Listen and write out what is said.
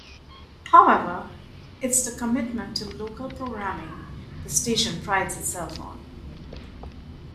However, it's the commitment to local programming the station prides itself on.